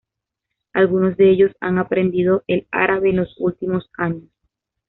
Algunos de ellos han aprendido el árabe en los últimos años.